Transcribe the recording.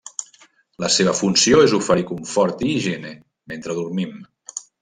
La seva funció és oferir confort i higiene mentre dormim.